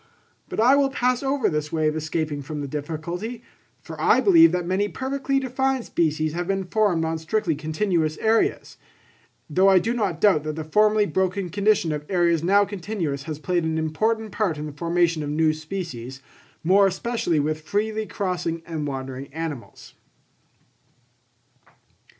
But I will pass over this way of escaping from the difficulty; for I believe that many perfectly defined species have been formed on strictly continuous areas; though I do not doubt that the formerly broken condition of areas now continuous, has played an important part in the formation of new species, more especially with freely crossing and wandering animals.